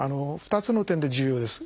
２つの点で重要です。